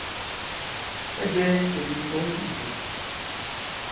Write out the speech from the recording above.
Sa jɛ̄ kì nì ŋgǒŋ ìsò.